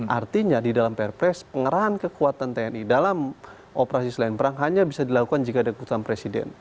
artinya di dalam perpres pengerahan kekuatan tni dalam operasi selain perang hanya bisa dilakukan jika ada keputusan presiden